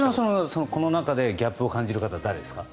この中でギャップを感じるのは誰ですか？